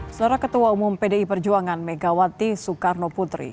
suara ketua umum pdi perjuangan megawati soekarno putri